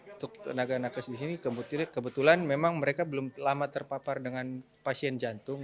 untuk tenaga nakes di sini kebetulan memang mereka belum lama terpapar dengan pasien jantung